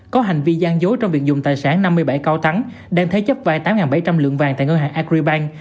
có hành vi gian dối trong việc dùng tài sản năm mươi bảy cao thắng đang thế chấp vai tám bảy trăm linh lượng vàng tại ngân hàng agribank